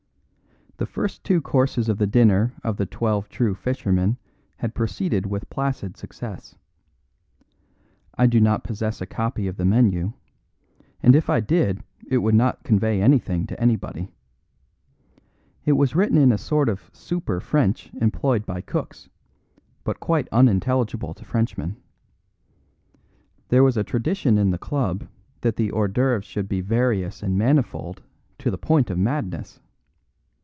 The first two courses of the dinner of The Twelve True Fishermen had proceeded with placid success. I do not possess a copy of the menu; and if I did it would not convey anything to anybody. It was written in a sort of super French employed by cooks, but quite unintelligible to Frenchmen. There was a tradition in the club that the hors d'œuvres should be various and manifold to the point of madness.